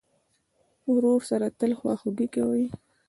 ورور سره تل خواخوږي کوې.